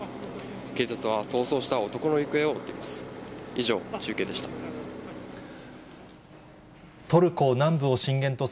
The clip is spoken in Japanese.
警察は逃走した男の行方を追っています。